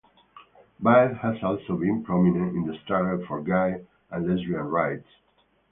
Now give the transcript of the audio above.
Baez has also been prominent in the struggle for gay and lesbian rights.